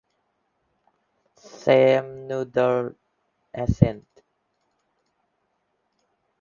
Sam nodded assent.